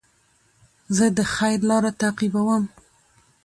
زه د خیر لاره تعقیبوم.